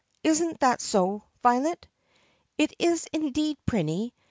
Is n't that so, Violet?" "It is indeed, Prinny.